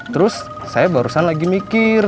terus saya barusan lagi mikir